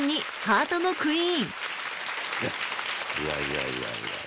ねっいやいやいや。